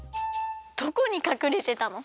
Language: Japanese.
どこにかくれてたの？